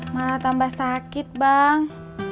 malah tambah sakit bang